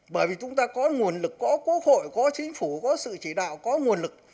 bởi vì chúng ta có nguồn lực có quốc hội có chính phủ có sự chỉ đạo có nguồn lực